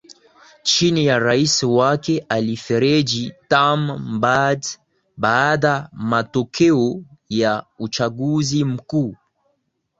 chini ya rais wake ali fereji tam mbad baada matokeo ya uchaguzi mkuu